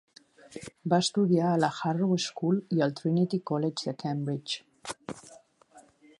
Va estudiar a la Harrow School i al Trinity College de Cambridge.